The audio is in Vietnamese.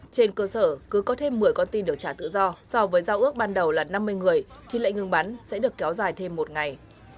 trên cơ sở cứ có thêm một mươi con tin được trả tự do so với giao ước ban đầu là năm mươi người thì lệnh ngừng bắn sẽ được kéo dài thêm một ngày